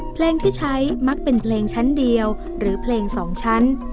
เพลงที่ใช้มักเป็นเพลงชั้นเดียวหรือเพลงสองชั้น